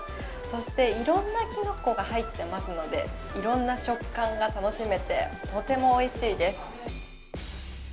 そして、いろんなきのこが入っていますのでいろんな食感が楽しめて、とてもおいしいです。